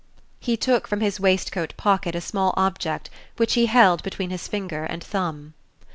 He took from his waistcoat pocket a small object, which he held between his finger and thumb.